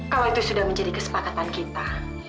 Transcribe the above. kalau itu sudah menjadi kesepakatan kita